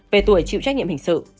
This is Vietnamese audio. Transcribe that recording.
về tuổi chịu trách nhiệm hình sự